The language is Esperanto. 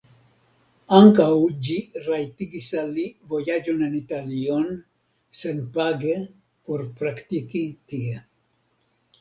Ankaŭ ĝi rajtigis al li vojaĝon en Italion senpage por praktiki tie.